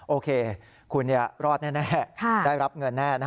โอเคคุณรอดแน่ได้รับเงินแน่